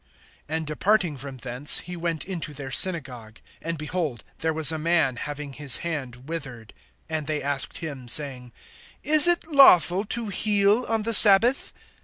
(9)And departing from thence, he went into their synagogue. (10)And behold, there was a man, having his hand withered. And they asked him, saying: Is it lawful to heal on the sabbath?